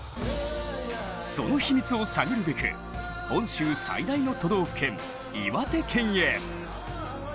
その秘密を探るべく本州最大の都道府県・岩手県へ。